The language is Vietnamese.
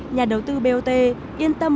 nhà đầu tư bot yên tâm